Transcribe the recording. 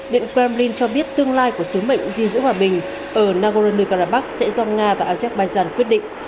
điện kremlin cho biết tương lai của sứ mệnh gìn giữ hòa bình ở nagorno karabakh sẽ do nga và azerbaijan quyết định